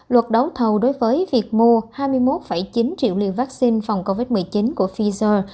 luật đấu thầu đối với việc mua hai mươi một chín triệu liều vaccine phòng covid một mươi chín của pfizer